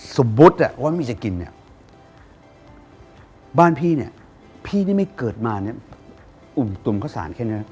สมมติว่าไม่มีจะกินบ้านพี่นี่พี่นี่ไม่เกิดมาอุ่มตุ่มข้าวสารแค่นั้น